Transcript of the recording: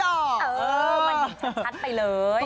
เออมันเห็นชัดไปเลย